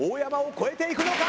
超えていくのか？